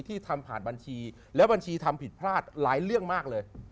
ที่ทำผ่านบัญชีแล้วบัญชีทำผิดพลาดหลายเรื่องมากเลย